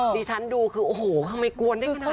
ดิฉันดูคือโอ้โหทำไมกวนได้ขนาดนี้ค่ะ